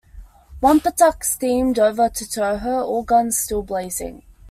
"Wompatuck" steamed over to tow her, all guns still blazing.